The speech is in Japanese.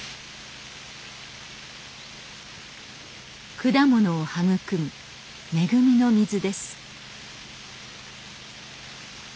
果物を育む恵みの水です。